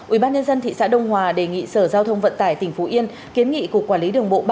ubnd thị xã đông hòa đề nghị sở giao thông vận tải tỉnh phú yên kiến nghị cục quản lý đường bộ ba